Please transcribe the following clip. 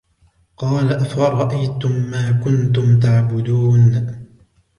قَالَ أَفَرَأَيْتُمْ مَا كُنْتُمْ تَعْبُدُونَ